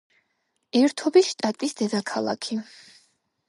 ერთობის შტატის დედაქალაქი.